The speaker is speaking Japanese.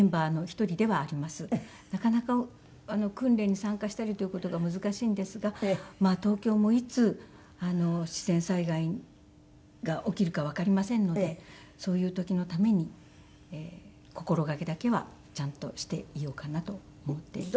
なかなか訓練に参加したりという事が難しいんですが東京もいつ自然災害が起きるかわかりませんのでそういう時のために心がけだけはちゃんとしていようかなと思っています。